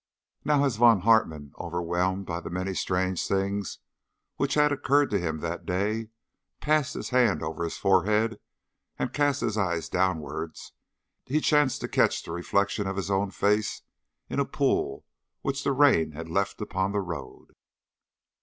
Now as Von Hartmann, overwhelmed by the many strange things which had occurred to him that day, passed his hand over his forehead and cast his eyes downwards, he chanced to catch the reflection of his own face in a pool which the rain had left upon the road.